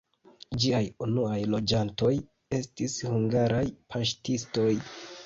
Ĝiaj unuaj loĝantoj estis hungaraj paŝtistoj.